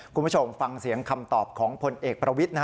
คุณผู้ชมฟังเสียงคำตอบของพลเอกประวิทย์